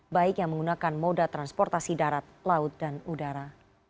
baik yang menggunakan moda transportasi darat laut dan udara